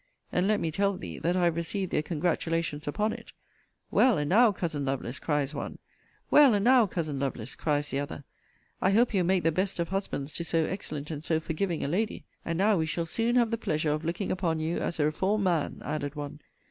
And let me tell thee, that I have received their congratulations upon it: Well, and now, cousin Lovelace, cries one: Well, and now, cousin Lovelace, cries t'other; I hope you will make the best of husbands to so excellent and so forgiving a lady! And now we shall soon have the pleasure of looking upon you as a reformed man, added one!